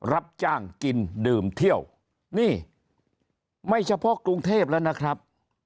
รับจ้างกินดื่มเที่ยวนี่ไม่เฉพาะกรุงเทพแล้วนะครับ